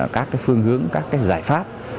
các cái phương hướng các cái giải pháp